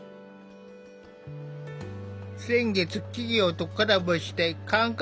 先月企業とコラボして感覚